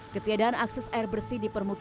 ketiadaan akses air bersih di permukaan